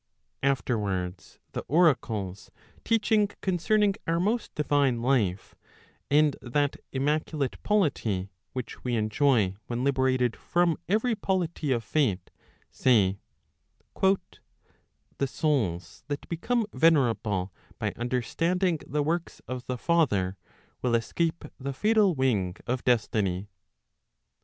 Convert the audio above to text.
Afterwards, the oracles teaching concerning our most divine life, and that immaculate polity, which we enjoy when liberated from every polity of Fate, say, " The souls that become venerable by understanding the works of the father l will escape the fatal wing * of Destiny" 15.